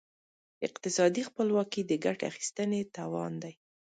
اقتصادي خپلواکي د ګټې اخیستنې توان دی.